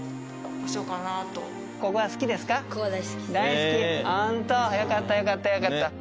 ほんとよかったよかったよかった。